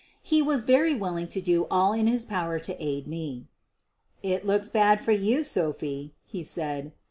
He was very willing to do all in his power to aid me. "It looks bad for you, Sophie," he said.